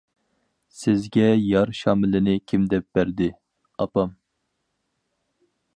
-سىزگە يار شامىلىنى كىم دەپ بەردى؟ -ئاپام.